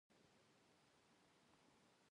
سیوری او روښنايي په نقاشۍ کې ارزښت درلود.